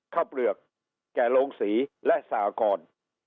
เปลือกแก่โรงศรีและสากร